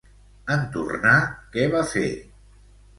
En tornar, què va fer?